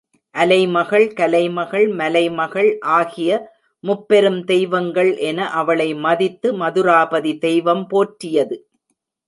அலைமகள், கலைமகள், மலைமகள் ஆகிய முப் பெரும் தெய்வங்கள் என அவளை மதித்து மதுராபதி தெய்வம் போற்றியது.